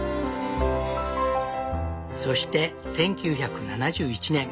そして１９７１年。